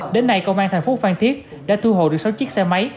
đến nay công an thành phố phan thiết đã thu hồ được sáu chiếc xe máy